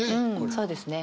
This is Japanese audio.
そうですね。